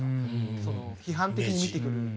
その批判的に見てくる。